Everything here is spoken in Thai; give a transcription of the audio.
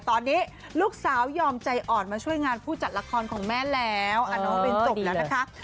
ตอนนี้ลูกสาวยอมใจอ่อนมาช่วยงานผู้จัดละครของแม่แล้วอ๋อดีแล้ว